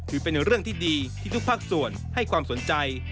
ถือเป็นเรื่องที่ดีที่ทุกภาคส่วนให้ความสนใจ